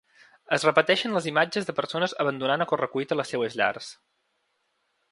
Es repeteixen les imatges de persones abandonant a correcuita les seues llars.